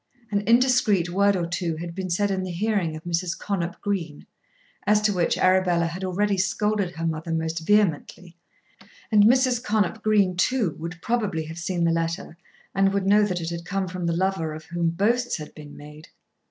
An indiscreet word or two had been said in the hearing of Mrs. Connop Green, as to which Arabella had already scolded her mother most vehemently, and Mrs. Connop Green too would probably have seen the letter, and would know that it had come from the lover of whom boasts had been made.